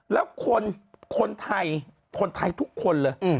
แล้วคนไทยคนไทยทุกคนเลย